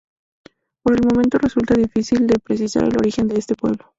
Por el momento resulta difícil de precisar el origen de este pueblo.